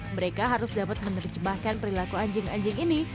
mereka harus dapat menerjemahkan perilaku anjing anjing ini